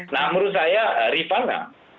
nah menurut saya rifana